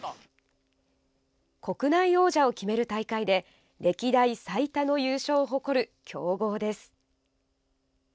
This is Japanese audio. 国内王者を決める大会で歴代最多の優勝を誇る強豪です。